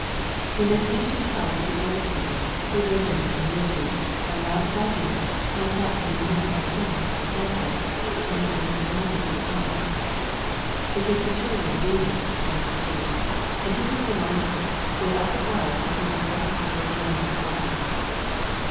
When they came to the house of the old people, who lived on their annuity, a loud buzzing, like that from the mill at home, met them, and he asked his mother what it was. "It is the children reading," answered she, and he was delighted, for thus it was that he had read before he learned the letters.